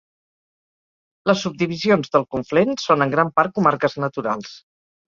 Les subdivisions del Conflent són en gran part comarques naturals.